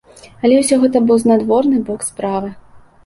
Але ўсё гэта быў знадворны бок справы.